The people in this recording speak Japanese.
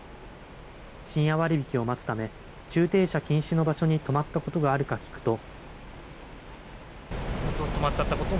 深夜割引を待つため、駐停車禁止の場所に止まったことがあるか聞くと。